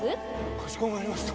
かしこまりました。